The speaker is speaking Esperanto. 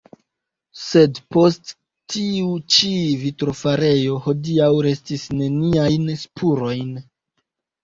Sed post tiu ĉi vitrofarejo hodiaŭ restis neniajn spurojn.